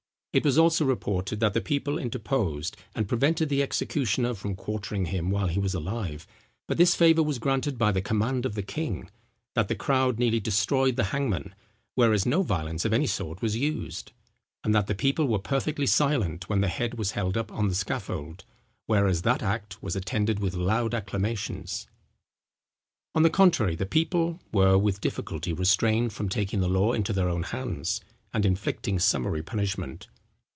It was also reported that the people interposed and prevented the executioner from quartering him while he was alive, but this favour was granted by the command of the king; that the crowd nearly destroyed the hangman, whereas no violence of any sort was used; and that the people were perfectly silent when the head was held up on the scaffold, whereas that act was attended with loud acclamations. On the contrary, the people were with difficulty restrained from taking the law into their own hands, and inflicting summary punishment.